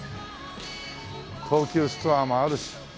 東急ストアもあるし。